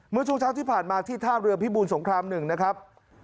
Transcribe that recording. เมื่อช่วงเช้าที่ผ่านมาที่ท่าเรือพิบูรสงคราม๑นะครับ